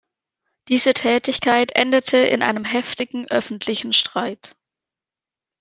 Diese Tätigkeit endete in einem heftigen öffentlichen Streit.